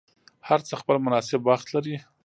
هر څه خپل مناسب وخت لري